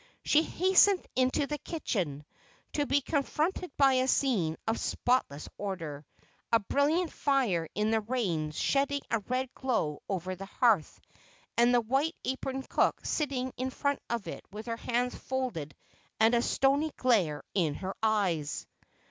She hastened into the kitchen, to be confronted by a scene of spotless order, a brilliant fire in the range shedding a red glow over the hearth, and the white aproned cook sitting in front of it with her hands folded and a stony glare in her eyes.